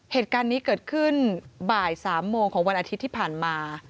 เหตุการณ์นี้เกิดขึ้นบ่าย๓โมงของวันอาทิตย์ที่ผ่านมา